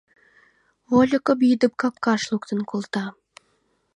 Вольыкым идым капкаш луктын колта.